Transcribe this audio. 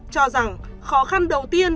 cho rằng khó khăn đầu tiên